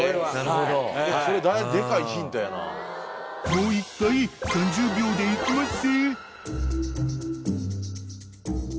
［もう１回３０秒でいきまっせ］